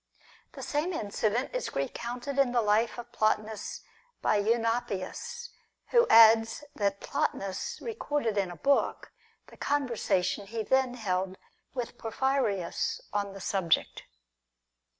The same incident is recounted in the life of Plotinus by Eunapius, who adds that Plotinus recorded in a book the conversation he then held with Porphyrius on the subject.